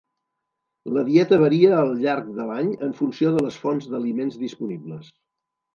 La dieta varia al llarg de l'any en funció de les fonts d'aliments disponibles.